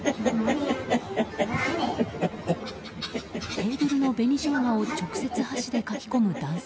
テーブルの紅ショウガを直接、箸でかき込む男性。